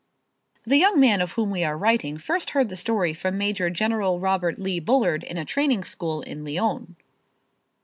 The young man of whom we are writing first heard the story from Major General Robert Lee Bullard in a training school in Lyons.